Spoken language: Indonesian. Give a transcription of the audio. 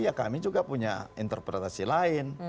ya kami juga punya interpretasi lain